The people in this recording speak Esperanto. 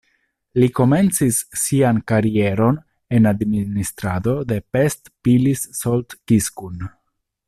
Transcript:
Li komencis sian karieron en administrado de Pest-Pilis-Solt-Kiskun.